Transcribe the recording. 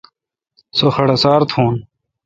سو خڈوسار تھون۔